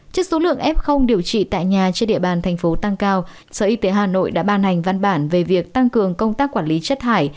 trước số lượng f điều trị tại nhà trên địa bàn thành phố tăng cao sở y tế hà nội đã ban hành văn bản về việc tăng cường công tác quản lý chất thải